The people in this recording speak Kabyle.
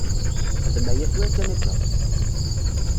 Xdem aya tura kan akka!